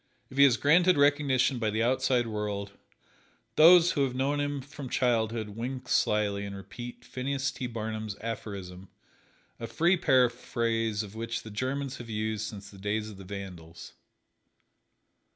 If he is granted recognition by the outside world, those who have known him from childhood wink slyly and repeat Phineas T. Barnum's aphorism, a free paraphrase of which the Germans have used since the days of the Vandals.